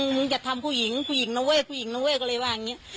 มึงอย่าทำผู้หญิงผู้หญิงนเวทผู้หญิงนเว้ก็เลยว่าอย่างนี้